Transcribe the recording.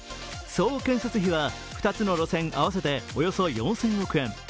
総建設費は２つの路線合わせて４０００億円。